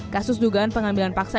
kasus dugaan pengambilan paksa